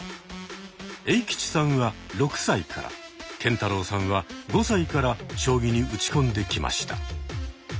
エイキチさんは６歳からケンタロウさんは５歳から将棋に打ち込んできました。